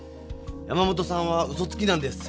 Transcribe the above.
山本さんはうそつきなんです。